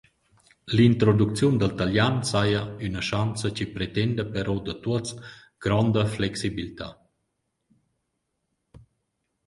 L’introducziun dal talian saja üna schanza chi pretenda però da tuots gronda flexibiltà.